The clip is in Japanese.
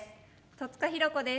戸塚寛子です。